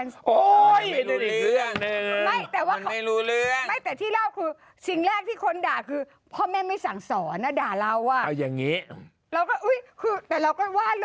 ไม่แต่ว่าไม่รู้เรื่องไม่แต่ที่เล่าคือสิ่งแรกที่คนด่าคือพ่อแม่ไม่สั่งสอนด่าเราอ่ะเอาอย่างนี้